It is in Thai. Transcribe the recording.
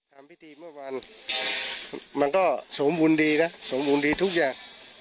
ทำพิธีเมื่อวานมันก็สมบูรณ์ดีนะสมบูรณ์ดีทุกอย่าง